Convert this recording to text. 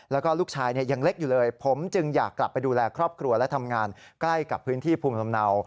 แล้วก็ลูกชายยังเล็กอยู่เลยผมจึงอยากกลับไปดูแลครอบครัวและทำงานใกล้กับพื้นที่ภูมิลำเนา